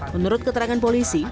menurut keterangan polisi